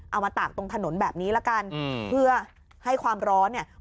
มาตากตรงถนนแบบนี้ละกันเพื่อให้ความร้อนเนี่ย